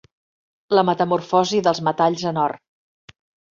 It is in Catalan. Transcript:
La metamorfosi dels metalls en or.